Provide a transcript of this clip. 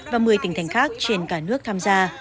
và một mươi tỉnh thành khác trên cả nước tham gia